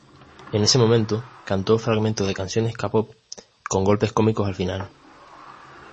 En ese segmento, cantó fragmentos de canciones de K-pop con golpes cómicos al final.